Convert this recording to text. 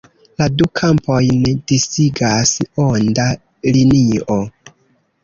La du kampojn disigas onda linio.